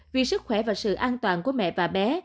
vì sức khỏe và sự an toàn của mẹ và bé